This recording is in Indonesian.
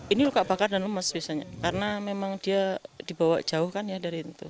ini luka bakar dan lemas biasanya karena memang dia dibawa jauh kan ya dari itu